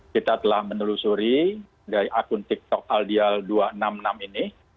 kita telah menelusuri dari akun tiktok aldial dua ratus enam puluh enam ini